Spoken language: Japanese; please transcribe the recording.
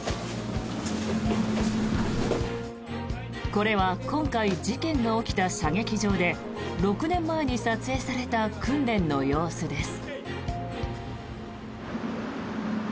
これは今回事件が起きた射撃場で６年前に撮影された訓練の様子です。